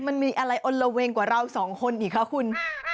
มันมีอะไรอลละเวงกว่าเราสองคนอีกคะคุณ